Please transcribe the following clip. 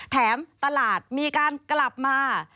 ตลาดมีการกลับมา